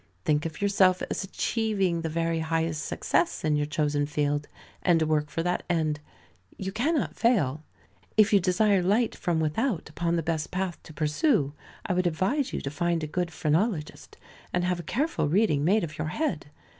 Think of yourself as achieving the very highest success in your chosen field, and work for that end. You cannot fail. If you desire light from without upon the best path to pursue, I would advise you to find a good phrenologist, and have a careful reading made of your head.